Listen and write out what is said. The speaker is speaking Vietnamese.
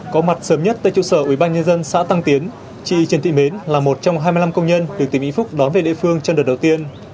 có mặt sớm nhất tại trụ sở ubnd xã tăng tiến chị trần thị mến là một trong hai mươi năm công nhân được tỉnh vĩnh phúc đón về địa phương trong đợt đầu tiên